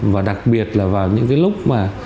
và đặc biệt là vào những lúc mà